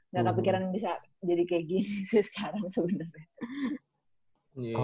gak kepikiran bisa jadi kayak gini sih sekarang sebenernya